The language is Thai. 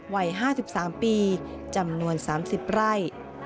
วัย๕๓ปีจำนวน๓๐ไร่